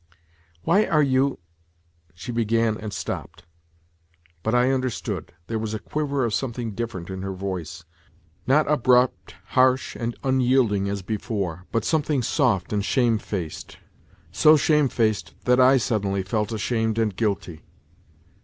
" Why are you " she began and stopped. But I under stood : there was a quiver of something different in her voice, not abrupt, harsh and unyielding as before, but something soft and shamefaced, so shamefaced that I suddenly felt ashamed and guilty.